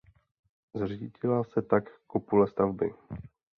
Zřítila se tak kopule stavby.